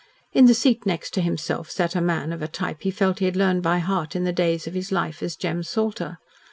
In the seat next to himself sat a man of a type he felt he had learned by heart in the days of his life as Jem Salter.